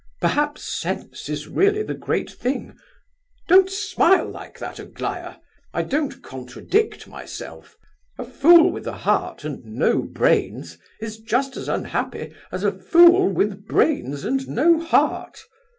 Perhaps sense is really the great thing. Don't smile like that, Aglaya. I don't contradict myself. A fool with a heart and no brains is just as unhappy as a fool with brains and no heart.